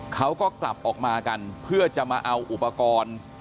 เขาก็กลับออกมากันเพื่อจะมาเอาอุปกรณ์